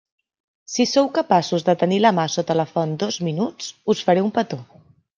Si sou capaços de tenir la mà sota la font dos minuts, us faré un petó.